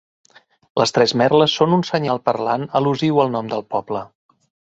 Les tres merles són un senyal parlant al·lusiu al nom del poble.